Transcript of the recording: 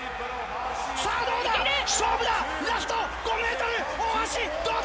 さぁどうだ！